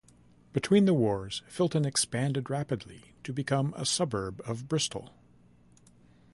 Between the wars Filton expanded rapidly, to become a suburb of Bristol.